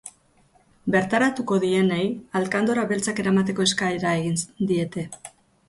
Bertaratuko direnei alkandora beltzak eramateko eskaera egin diete.